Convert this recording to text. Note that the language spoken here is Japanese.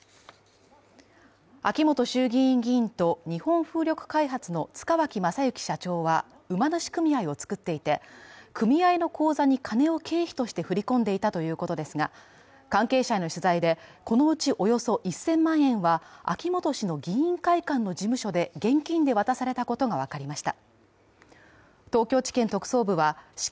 秋本衆議院議員と日本風力開発の塚脇正幸社長は馬主組合を作っていて、組合の口座に金を経費として振り込んでいたということですが、関係者への取材でこのうちおよそ１０００万円は秋本氏の議員会館の事務所で現金で渡されたことが分かりました。